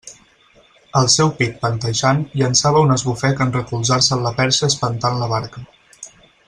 El seu pit panteixant llançava un esbufec en recolzar-se en la perxa espentant la barca.